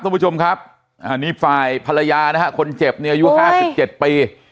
คุณผู้ชมครับอันนี้ฝ่ายภรรยานะฮะคนเจ็บเนี่ยอายุ๕๗ปี